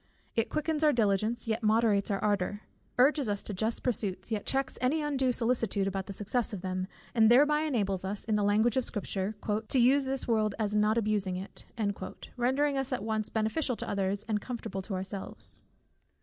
It quickens our diligence, yet moderates our ardour; urges us to just pursuits, yet checks any undue solicitude about the success of them, and thereby enables us, in the language of Scripture, "to use this world as not abusing it," rendering us at once beneficial to others and comfortable to ourselves.